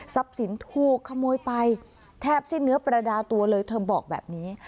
สินถูกขโมยไปแทบสิ้นเนื้อประดาตัวเลยเธอบอกแบบนี้